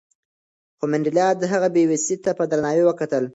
خو منډېلا د هغه بې وسۍ ته په درناوي وکتل.